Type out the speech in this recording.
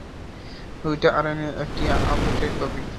দুইটি আরএনএ একটি অপরটির কপি।